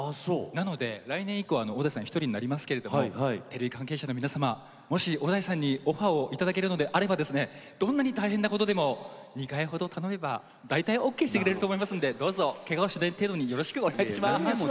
なので来年以降、小田井さん１人になりますけどテレビ関係者の皆様もし、小田井さんにオファーをいただけるのであればどんなに大変なことでも２回ほど頼めば大体オーケーしてくれると思うのでどうぞ、けがをしない程度によろしくお願いします！